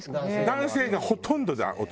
男性がほとんどが男。